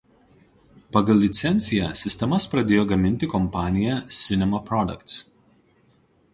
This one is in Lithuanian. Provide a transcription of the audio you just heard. Pagal licenciją sistemas pradėjo gaminti kompanija „Cinema Products“.